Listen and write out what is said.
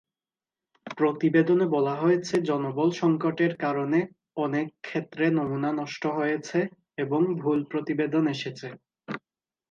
প্রতিবেদনে বলা হয়েছে, জনবল সংকটের কারণে অনেক ক্ষেত্রে নমুনা নষ্ট হয়ে হয়েছে এবং ভুল প্রতিবেদন এসেছে।